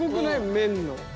麺の。